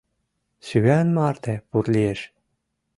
СӰАН МАРТЕ ПУРЛИЕШ